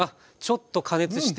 ちょっと加熱して。